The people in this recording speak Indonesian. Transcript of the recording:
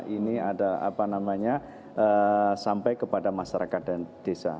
ini ada apa namanya sampai kepada masyarakat dan desa